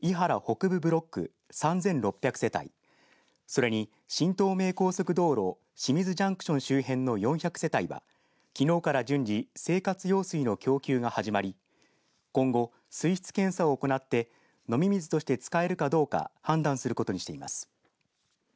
それに新東名高速道路清水ジャンクション周辺の４００世帯はきのうから順次、生活用水の供給が始まり、今後水質検査を行って飲み水として使えるかどうか判断することにしています。